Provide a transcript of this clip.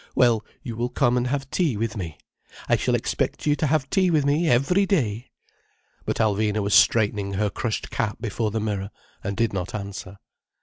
"Well, you will come and have tea with me. I shall expect you to have tea with me every day." But Alvina was straightening her crushed cap before the mirror, and did not answer.